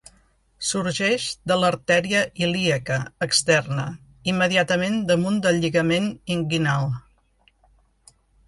Sorgeix de l'artèria ilíaca externa, immediatament damunt del lligament inguinal.